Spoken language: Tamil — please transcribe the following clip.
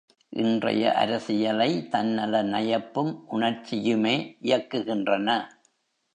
இன்றைய அரசியலை, தன்னல நயப்பும் உணர்ச்சியுமே இயக்குகின்றன.